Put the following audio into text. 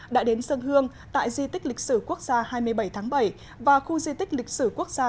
đã đến sân hương tại di tích lịch sử quốc gia hai mươi bảy tháng bảy và khu di tích lịch sử quốc gia